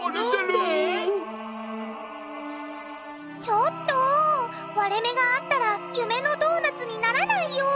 ちょっと割れ目があったら夢のドーナツにならないよ。